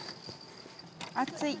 暑い。